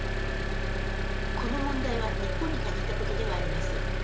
この問題は日本に限ったことではありません。